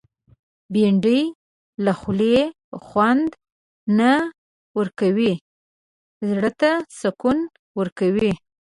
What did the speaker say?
بېنډۍ له خولې خوند نه ورکوي، زړه ته سکون ورکوي